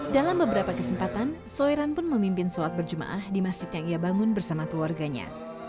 dalam beberapa kesempatan soiran pun memimpin sholat berjemaah di masjid yang ia bangun bersama keluarganya